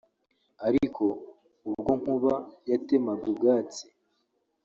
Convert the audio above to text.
Ariko ubwo Nkuba yatemaga ubwatsi